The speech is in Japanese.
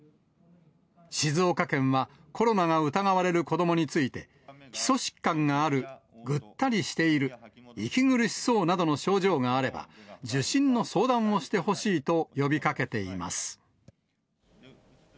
静岡県はコロナが疑われる子どもについて、基礎疾患がある、ぐったりしている、息苦しそうなどの症状があれば、受診の相談をしてほしいと呼びかけています。